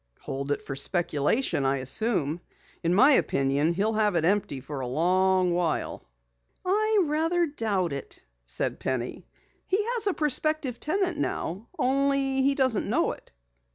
"Hold it for speculation, I assume. In my opinion he'll have it empty for a long while." "I rather doubt it," said Penny. "He has a prospective tenant now, only he doesn't know it."